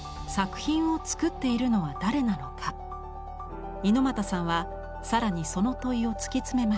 ＩＮＯＭＡＴＡさんは更にその問いを突き詰めました。